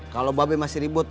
kalau babi masih ribut